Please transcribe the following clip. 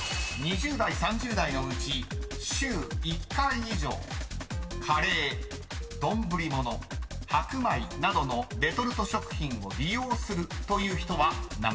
［２０代３０代のうち週１回以上カレー丼物白米などのレトルト食品を利用するという人は何％？］